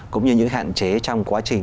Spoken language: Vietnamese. cũng như những hạn chế trong quá trình